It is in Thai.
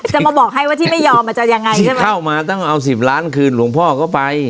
จะมาบอกให้ว่าที่ไม่ยอมมันจะยังไงใช่ไหมเข้ามาต้องเอาสิบล้านคืนหลวงพ่อก็ไป